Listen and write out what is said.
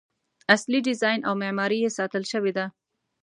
اصلي ډیزاین او معماري یې ساتل شوې ده.